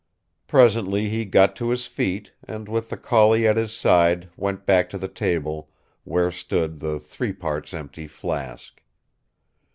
Presently he got to his feet, and with the collie at his side went back to the table, where stood the threeparts empty flask.